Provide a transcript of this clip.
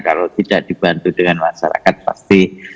kalau tidak dibantu dengan masyarakat pasti